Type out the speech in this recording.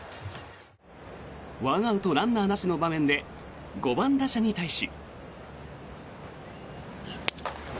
１アウト、ランナーなしの場面で５番打者に対し。